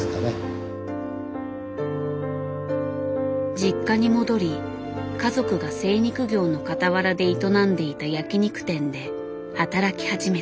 実家に戻り家族が精肉業のかたわらで営んでいた焼き肉店で働き始めた。